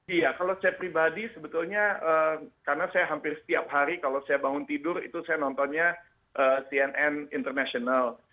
iya kalau saya pribadi sebetulnya karena saya hampir setiap hari kalau saya bangun tidur itu saya nontonnya cnn international